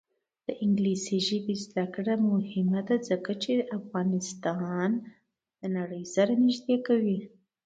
د انګلیسي ژبې زده کړه مهمه ده ځکه چې افغانستان نړۍ سره نږدې کوي.